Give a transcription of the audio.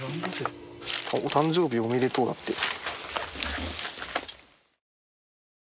「お誕生日おめでとう」だって。